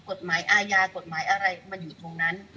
กฎหมายอาญากฎหมายอะไรมันอยู่ตรงนั้น